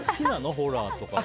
ホラーとかは。